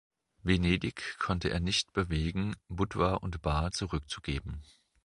Venedig konnte er nicht bewegen, Budva und Bar zurückzugeben.